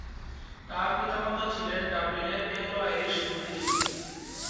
তাঁর পিতামাতা ছিলেন ডাবলিনের অ্যাংলো-আইরিশ বুদ্ধিজীবী।